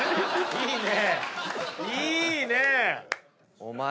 いいね！